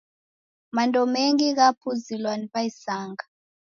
Mando mengi ghapuzilwa ni w'aisanga.